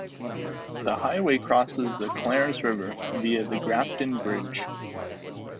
The highway crosses the Clarence River via the Grafton Bridge.